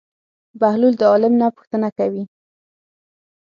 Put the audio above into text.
بهلول د عالم نه پوښتنه کوي.